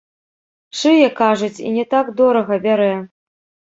Шые, кажуць, і не так дорага бярэ.